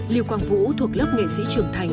lưu quang vũ thuộc lớp nghệ sĩ trưởng thành